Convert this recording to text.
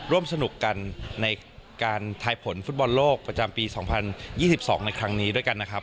ร่วมสนุกกันในการทายผลฟุตบอลโลกประจำปี๒๐๒๒ในครั้งนี้ด้วยกันนะครับ